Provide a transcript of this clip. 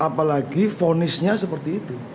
apalagi vonisnya seperti itu